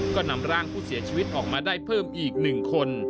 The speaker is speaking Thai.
ก็นำร่างผู้เสียชีวิตออกมาได้เพิ่มอีก๑คน